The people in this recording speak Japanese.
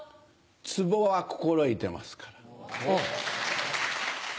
ツボは心得てますから。